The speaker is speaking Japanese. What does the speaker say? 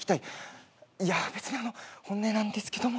いや別に本音なんですけども。